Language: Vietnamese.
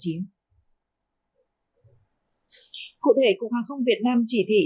cụ thể cục hàng không việt nam chỉ thị